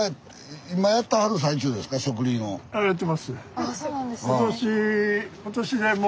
ああそうなんですね。